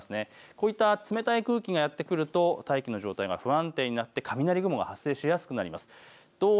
こういった冷たい空気がやって来ると大気の状態が不安定になって雷雲が発生しやすくなります。